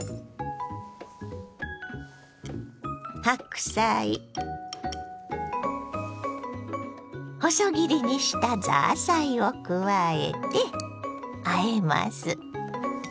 白菜細切りにしたザーサイを加えてあえます。